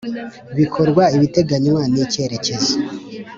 Bikorwa ibiteganywa n icyerecyezo